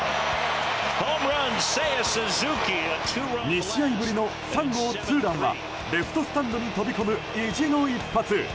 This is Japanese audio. ２試合ぶりの３号ツーランはレフトスタンドに飛び込む意地の一発。